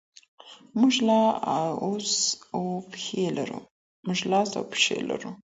موږ لاس او پښې لرو.